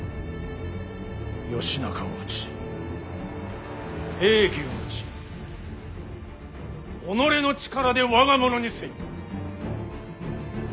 義仲を討ち平家を討ち己の力で我が物にせよ。